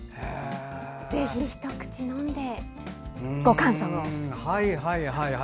ぜひ一口飲んでご感想を。